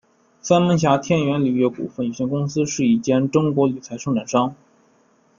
三门峡天元铝业股份有限公司是一间中国铝材生产商。